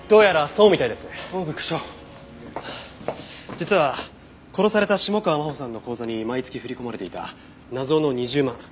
実は殺された下川真帆さんの口座に毎月振り込まれていた謎の２０万。